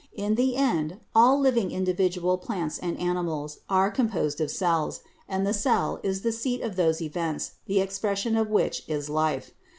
In the end all living individual plants and animals are composed of cells and the cell is the seat of those events the expression of which is life.